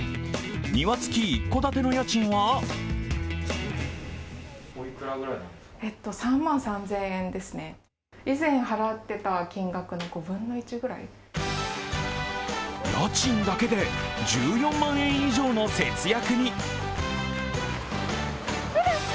庭付き一戸建ての家賃は家賃だけで１４万円以上の節約に。